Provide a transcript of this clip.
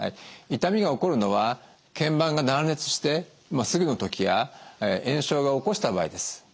痛みが起こるのは腱板が断裂してすぐの時や炎症が起こした場合です。